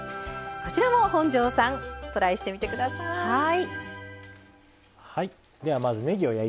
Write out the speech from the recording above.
こちらも本上さんトライしてみてください。